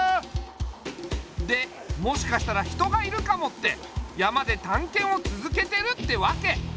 でもしかしたら人がいるかもって山でたんけんをつづけてるってわけ。